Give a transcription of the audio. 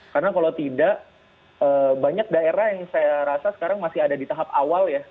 karena kalau tidak banyak daerah yang saya rasa sekarang masih ada di tahap awal ya